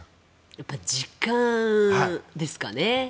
やっぱり時間ですかね。